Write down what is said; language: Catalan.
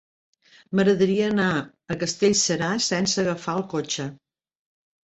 M'agradaria anar a Castellserà sense agafar el cotxe.